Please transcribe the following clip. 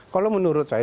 kalau menurut saya